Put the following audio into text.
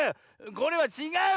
これはちがうのよ。